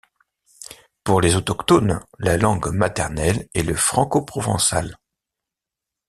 Pour les autochtones la langue maternelle est le francoprovençal.